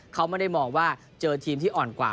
เขาไม่ได้มองว่าเจอทีมที่อ่อนกว่า